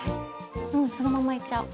もうそのままいっちゃおう。